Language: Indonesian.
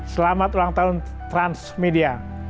selamat ulang tahun transmedia